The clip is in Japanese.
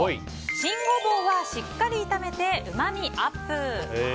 新ゴボウはしっかり炒めてうまみアップ！